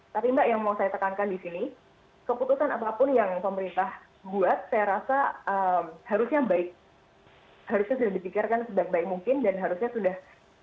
tapi mbak yang mau saya tekankan di sini keputusan apapun yang pemerintah buat saya rasa harusnya baik harusnya sudah dipikirkan sebaik baik mungkin dan harusnya sudah